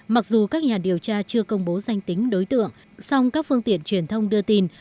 mặc dù các nhà điều tra chưa công bố danh tính đối tượng song các phương tiện truyền thông đưa tin